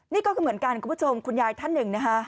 นี่ก็คือเหมือนกันคุณผู้ชมคุณยายท่านหนึ่งนะคะ